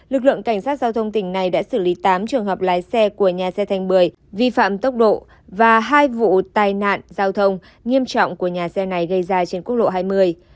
lực lượng cảnh sát giao thông tỉnh này đã xử lý tám trường hợp lái xe của nhà xe thành bưởi vi phạm tốc độ và hai vụ tai nạn giao thông nghiêm trọng của nhà xe này gây ra trên quốc lộ hai mươi